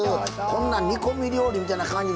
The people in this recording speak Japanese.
こんなん煮込み料理みたいな感じ